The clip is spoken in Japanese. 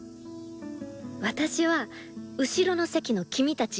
私は後ろの席の君たち